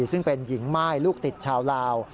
ซึ่งเป็นหญิงม่ายลูกติดชาวลาว